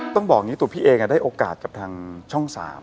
ต้องบอกอย่างนี้ตัวพี่เองได้โอกาสกับทางช่อง๓